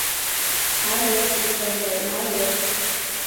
Айыҡ Ихсанбай, айыҡ.